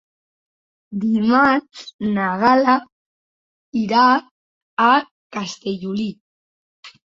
Dimarts na Gal·la irà a Castellolí.